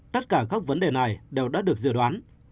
tất cả các vấn đề này đều đã được dự đoán